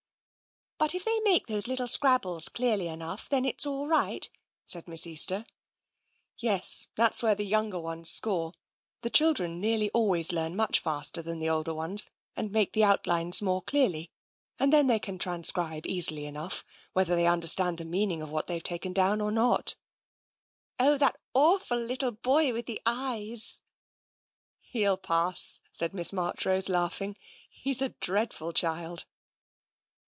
" But if they make those little scrabbles clearly enough, then it's all right? " said Miss Easter. " Yes, that's where the younger ones score. The children nearly always learn much faster than the older ones and make the outlines more clearly, and then they TENSION 131 can transcribe easily enough, whether they understand the meaning of what they've taken down or not." " Oh, that awful little boy with the eyes !"" He'll pass," said Miss Marchrose, laughing. " He's a dreadful child."